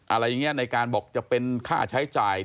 อะไรอย่างนี้ในการบอกจะเป็นค่าใช้จ่าย